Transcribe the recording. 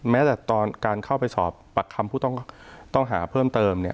แม้แต่ตอนการเข้าไปสอบปากคำผู้ต้องหาเพิ่มเติมเนี่ย